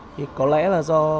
thì có lẽ là do